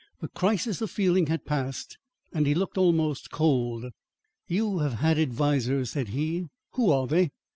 The crisis of feeling had passed, and he looked almost cold. "You have had advisers," said he. "Who are they?"